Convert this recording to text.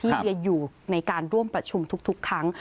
ที่จะอยู่ในการร่วมประชุมทุกครั้ง